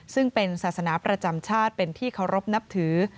ซึ่งเป็นศาสนาประจำชาติเป็นที่เคารพนับถือ